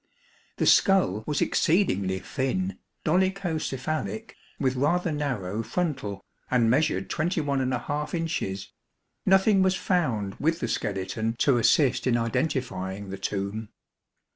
The skull was exceedingly thin, dolichocephalic, with rather narrow frontal, and measured 2l inches. Nothing was found with the skeleton to assist in identifying the tomb.